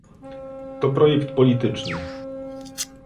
To projekt polityczny